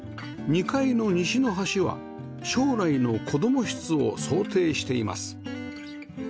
２階の西の端は将来の子供室を想定しています